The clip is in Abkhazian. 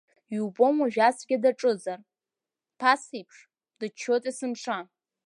Иубом уажә ацәгьа даҿызар, ԥасеиԥш, дыччоит есымша.